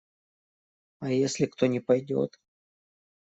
А если кто не пойдет?